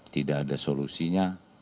tidak ada solusinya